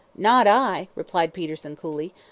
"Not I," replied Peterson, coolly.